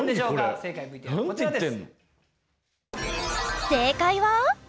正解ＶＴＲこちらです。